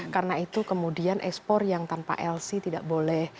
karena itu kemudian ekspor yang tanpa lc tidak boleh